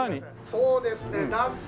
そうですねなす